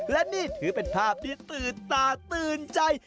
และนี่ถือเป็นภาพที่ตื่นตาตื่นใจ